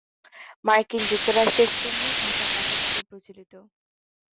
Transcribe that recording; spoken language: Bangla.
মার্কিন যুক্তরাষ্ট্রে স্পেনীয় ভাষা ব্যাপকভাবে প্রচলিত।